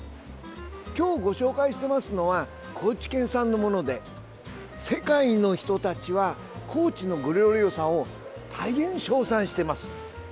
今日紹介していますのは高知県産のもので世界の人たちは高知のグロリオサを大変賞賛しています。